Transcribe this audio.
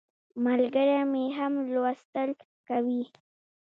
ملګری مې هم لوستل کوي.